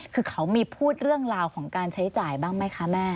คือเขามีพูดเรื่องราวของการใช้จ่ายบ้างไหมคะแม่